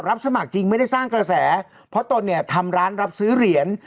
รับสมัครจริงไม่ได้สร้างกระแสเพราะตนเนี่ยทำร้านรับซื้อเหรียญ